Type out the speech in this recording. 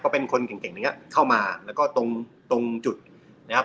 เป็นคนเก่งเก่งอย่างนี้เข้ามาแล้วก็ตรงตรงจุดนะครับ